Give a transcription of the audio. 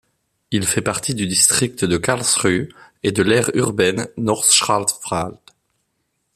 Il fait partie du district de Karlsruhe et de l'aire urbaine Nordschwarzwald.